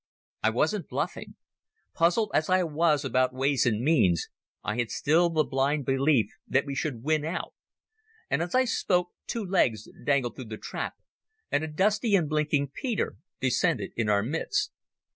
I wasn't bluffing. Puzzled as I was about ways and means I had still the blind belief that we should win out. And as I spoke two legs dangled through the trap and a dusty and blinking Peter descended in our midst.